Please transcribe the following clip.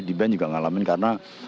diben juga ngalamin karena